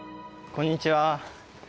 こんにちは。